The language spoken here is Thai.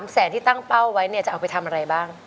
แสนที่ตั้งเป้าไว้เนี่ยจะเอาไปทำอะไรบ้าง